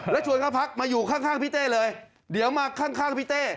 แล้วชวนเขาพักมาอยู่ข้างพี่เต้เลยเดี๋ยวมาข้างพี่เต้